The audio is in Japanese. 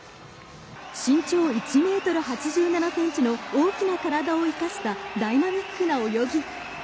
身長１メートル８７センチの大きな体を生かしたダイナミックな泳ぎ。